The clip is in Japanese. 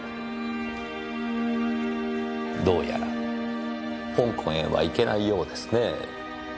どうやら香港へは行けないようですねぇ。